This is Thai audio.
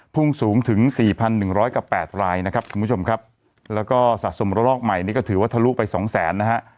พุ่งสูงถึง๔๑๐๐กับ๘รายนะครับคุณผู้ชมครับแล้วก็สะสมระลอกใหม่นี่ก็ถือว่าทะลุไปสองแสนนะฮะ